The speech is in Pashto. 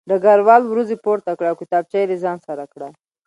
ډګروال وروځې پورته کړې او کتابچه یې له ځان سره کړه